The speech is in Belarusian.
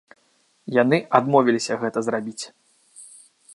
Яны адмовіліся гэта зрабіць.